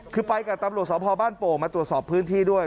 คือไปกับตำรวจสพบ้านโป่งมาตรวจสอบพื้นที่ด้วย